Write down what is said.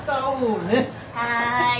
はい。